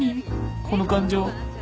この感情